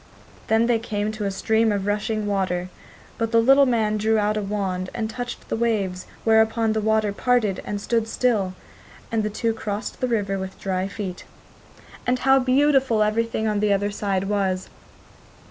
Then they came to a stream of rushing water; but the little man drew out a wand and touched the waves, whereupon the waters parted and stood still, and the two crossed the river with dry feet. And how beautiful everything on the other side was!